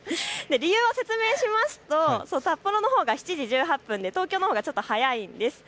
理由を説明しますと札幌のほうが７時１８分で東京のほうがちょっと早いんです。